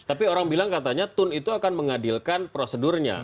tapi orang bilang katanya tun itu akan mengadilkan prosedurnya